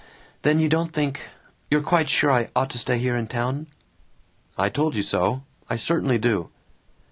... Then you don't think you're quite sure I ought to stay here in town?" "I told you so! I certainly do!"